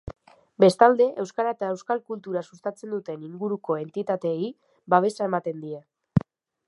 Bestalde, euskara eta euskal kultura sustatzen duten inguruko entitateei babesa ematen die.